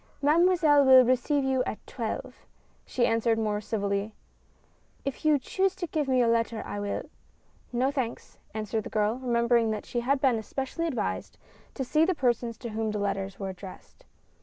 "Mademoiselle will receive you at twelve," she answered more civilly. " If you choose to give me your letter I will " "No, thanks," answered the girl, remembering that she had been especially advised to see the persons to whom her letters were addressed.